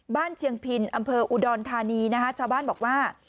บ้านเชียงพินอำเภาอุดรธานีชาวบ้านบอกว่า